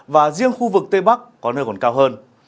và riêng khu vực tây bắc có nơi còn cao hơn